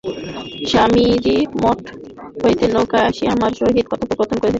স্বামীজী মঠ হইতে নৌকায় আসিয়া আমার সহিত কথাবার্তা কহিতে আসিলেন।